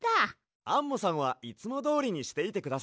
アンモさんはいつもどおりにしていてください。